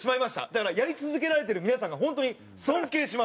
だからやり続けられてる皆さんが本当に尊敬します。